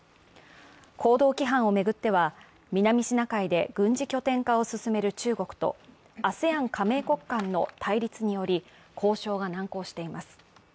行動規範を巡っては、南シナ海で軍事拠点化を進める中国とＡＳＥＡＮ加盟国間の対立により交渉が難航しています。